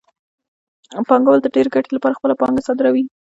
پانګوال د ډېرې ګټې لپاره خپله پانګه صادروي